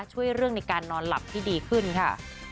ช่วยเรื่องในการนอนหลับที่ดีขึ้นค่ะ